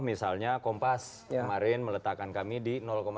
misalnya kompas kemarin meletakkan kami di satu